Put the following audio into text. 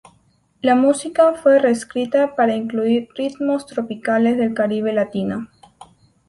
La música fue reescrita para incluir ritmos tropicales del Caribe latino.